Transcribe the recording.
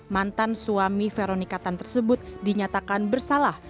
mantan suami veronika tan tersebut dinyatakan bersalah